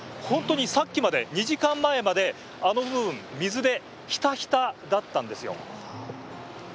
本当にさっきまで、２時間前まであの部分水でひたひただったんですよ。